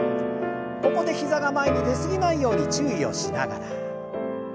ここで膝が前に出過ぎないように注意をしながら。